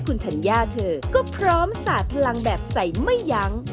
ขุนธรรยาเธอก็พร้อมสะพลังแบบใสม่ยั้ง